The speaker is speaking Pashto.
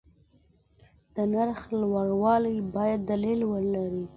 د نرخ لوړوالی باید دلیل ولري.